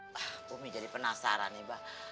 wah bumi jadi penasaran nih bang